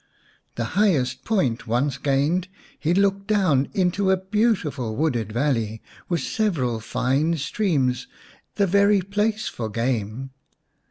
The highest point once gained, he looked down into a beautiful wooded valley with several fine streams, the very place for game.